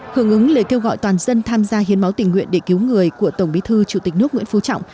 hưởng ứng lời kêu gọi toàn dân tham gia hiến máu tình nguyện để cứu người của tổng bí thư chủ tịch nước nguyễn phú trọng